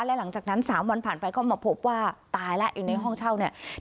และหลังจากนั้น๓วันผ่านไปก็มาพบว่าตายแล้วอยู่ในห้องเช่าเนี่ย